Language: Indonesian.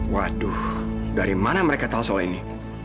waduh dari mana mereka tahu soal ini